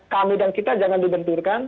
kami dan kita jangan dibenturkan